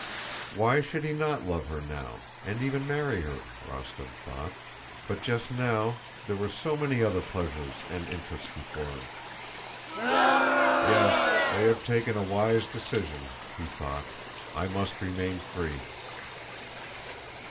Why should he not love her now, and even marry her, Rostóv thought, but just now there were so many other pleasures and interests before him! "Yes, they have taken a wise decision," he thought, "I must remain free."